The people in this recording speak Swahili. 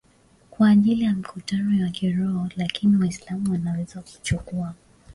kwa ajili ya mikutano ya kiroho Lakini Waislamu wanaweza kuchukua